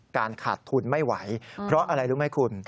การขาดทุนไม่ไหวเพราะอะไรรู้ไหมคุณ